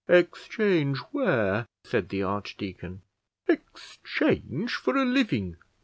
"Exchange where?" said the archdeacon. "Exchange for a living.